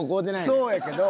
そうやけど。